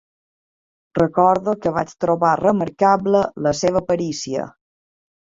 Recordo que vaig trobar remarcable la seva perícia.